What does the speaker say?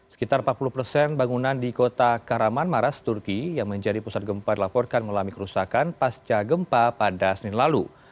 sekitar empat puluh persen bangunan di kota karaman maras turkiye yang menjadi pusat gempa dilaporkan melalui kerusakan pasca gempa pada senin lalu